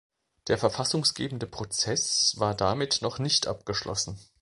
Der verfassungsgebende Prozess war damit noch nicht abgeschlossen.